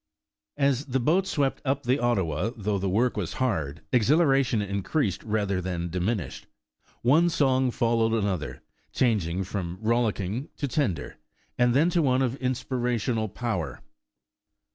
As the boats swept up the Ottawa, though the work was hard, exhiliration increased rather than dimin ished. One song followed another, changing from roL licking to tender, and then to one of inspirational power.